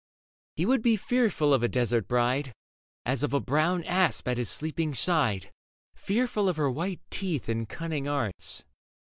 He would be fearful of a desert bride As of a brown asp at his sleeping side. Fearful of her white teeth and cunning arts.